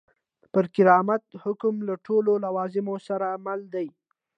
پر کرامت حکم له ټولو لوازمو سره مل دی.